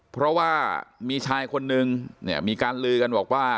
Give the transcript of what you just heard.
เพราะว่ามีชายคนนึงเนี่ยมีการลือกันบอกว่า